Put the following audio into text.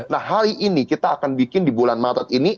nah hari ini kita akan bikin di bulan maret ini